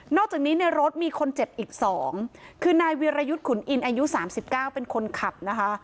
จากนี้ในรถมีคนเจ็บอีก๒คือนายวิรยุทธ์ขุนอินอายุ๓๙เป็นคนขับนะคะ